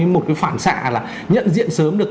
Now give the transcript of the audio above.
một cái phản xạ là nhận diện sớm được